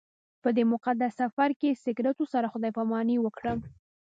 په دې مقدس سفر کې سګرټو سره خدای پاماني وکړم.